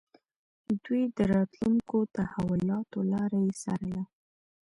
دوی د راتلونکو تحولاتو لاره يې څارله.